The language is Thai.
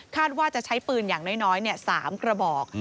ว่าจะใช้ปืนอย่างน้อย๓กระบอก